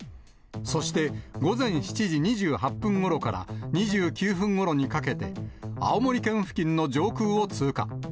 そして、午前７時２８分ごろから２９分ごろにかけて、青森県付近の上空を通過。